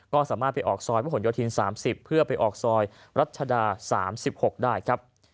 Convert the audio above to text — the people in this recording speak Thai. ก็สามารถไปออกซอยพระหลโยธิน๓๐เพื่อไปออกซอยรัชดา๓๖ได้ครับ